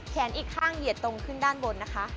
อีกข้างเหยียดตรงขึ้นด้านบนนะคะ